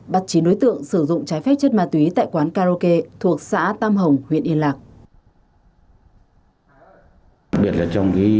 bắt chín đối tượng sử dụng trái phép chất ma túy tại quán karaoke thuộc xã tam hồng huyện yên lạc